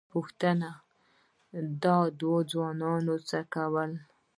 پوښتنه، دا دوه ځوانان څوک ول؟